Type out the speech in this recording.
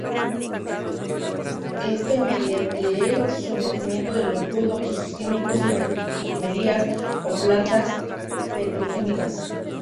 Esto mediante el sometimiento del crudo a procesos químicos en refinerías o plantas petroquímicas.